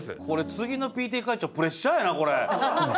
これ次のＰＴＡ会長プレッシャーやなこれ。